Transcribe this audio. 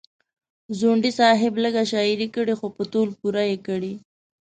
ځونډي صاحب لیږه شاعري کړې خو په تول پوره یې کړې.